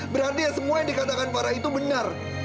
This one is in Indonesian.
berarti semua yang dikatakan para itu benar